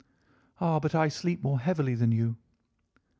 "'Ah, but I sleep more heavily than you.